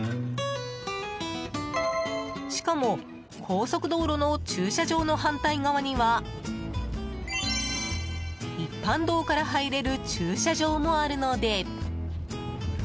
しかも、高速道路の駐車場の反対側には一般道から入れる駐車場もあるので。